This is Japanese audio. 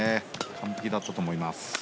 完璧だったと思います。